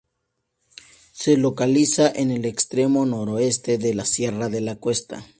Se localiza en el extremo noroeste de la sierra de la Cuesta.